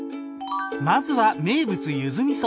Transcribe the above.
まずは名物ゆずみそ